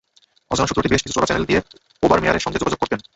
অজানা সূত্রটি বেশ কিছু চোরা চ্যানেল দিয়ে ওবারমেয়ারের সঙ্গে যোগাযোগ করতেন।